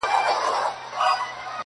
انساني ارزښتونه کمزوري کيږي ډېر-